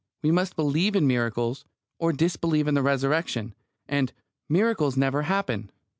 We must believe in miracles, or disbelieve in the Resurrection; and "miracles never happen."